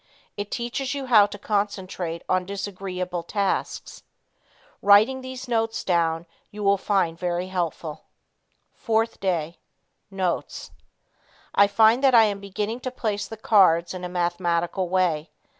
It teaches you how to concentrate on disagreeable tasks. Writing these notes down you will find very helpful. 4th Day. Notes. I find that I am beginning to place the cards in a mathematical way.